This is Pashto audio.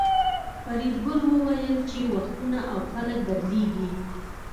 فریدګل وویل چې وختونه او خلک بدلیږي